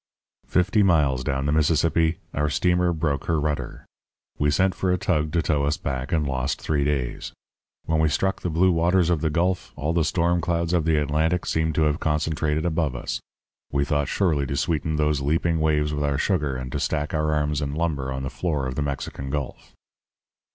"Fifty miles down the Mississippi our steamer broke her rudder. We sent for a tug to tow us back and lost three days. When we struck the blue waters of the Gulf, all the storm clouds of the Atlantic seemed to have concentrated above us. We thought surely to sweeten those leaping waves with our sugar, and to stack our arms and lumber on the floor of the Mexican Gulf.